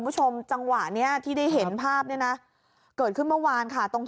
จังหวะที่ได้เห็นภาพเนี่ยนะเกิดขึ้นเมื่อวานค่ะ